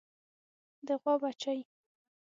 د غوا بچۍ